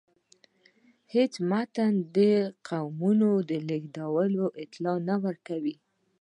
هیڅ متن د دې قومونو د لیږدیدلو اطلاع نه راکوي.